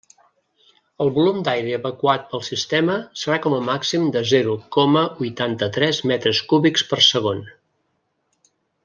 El volum d'aire evacuat pel sistema serà com a màxim de zero coma huitanta-tres metres cúbics per segon.